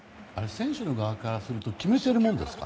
選手の側からするとあれは、決めてるものですか？